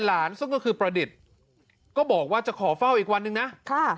ซึ่งก็คือประดิษฐ์ก็บอกว่าจะขอเฝ้าอีกวันนึงนะค่ะ